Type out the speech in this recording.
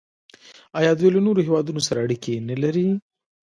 آیا دوی له نورو هیوادونو سره اړیکې نلري؟